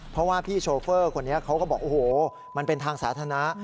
เพราะว่าพี่โชเฟอร์คนนี้เขาก็บอกโอ้โหมันเป็นทางสาธารณะ